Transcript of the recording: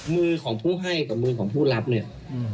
มือของผู้ให้กับมือของผู้รับเนี่ย